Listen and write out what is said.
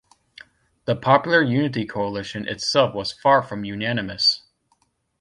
The Popular Unity coalition itself was far from unanimous.